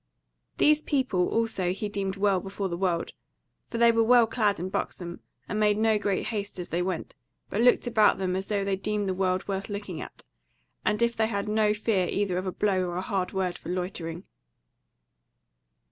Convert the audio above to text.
These people also he deemed well before the world, for they were well clad and buxom, and made no great haste as they went, but looked about them as though they deemed the world worth looking at, and as if they had no fear either of a blow or a hard word for loitering.